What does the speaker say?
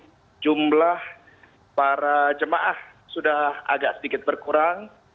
jadi jumlah para jemaah sudah agak sedikit berkurang